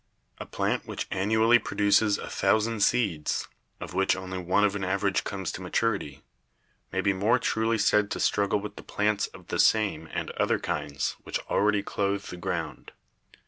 A plant which an anually produces a thousand seeds, of which only one of an average comes to maturity, may be more truly said to struggle with the plants of the same and other kinds which already clothe the ground.